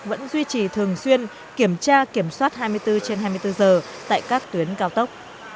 vẫn duy trì thường xuyên kiểm tra kiểm soát hai mươi bốn trên hai mươi bốn giờ tại các tuyến cao tốc